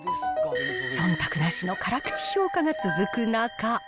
そんたくなしの辛口評価が続く中。